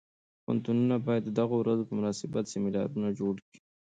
پوهنتونونه باید د دغو ورځو په مناسبت سیمینارونه جوړ کړي.